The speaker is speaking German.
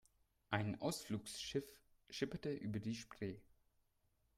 Ein Ausflugsschiff schipperte über die Spree.